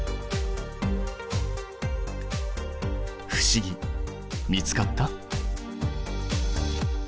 不思議見つかった？